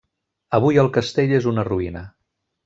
Avui el castell és una ruïna.